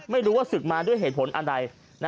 ไม่รู้ว่าศึกมาด้วยเหตุผลอะไร